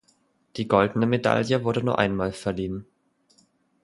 Die goldene Medaille wurde nur einmal verliehen.